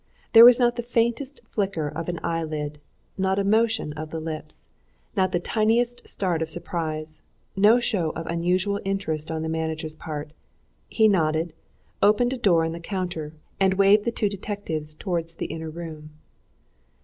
There was not the faintest flicker of an eyelid, not a motion of the lips, not the tiniest start of surprise, no show of unusual interest on the manager's part: he nodded, opened a door in the counter, and waved the two detectives towards the inner room.